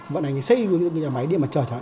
vận hành xây dựng những cái máy điện mặt trời